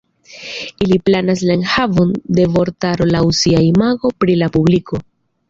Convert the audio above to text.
Ili planas la enhavon de vortaro laŭ sia imago pri la publiko.